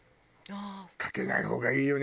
かけない方がいいよね。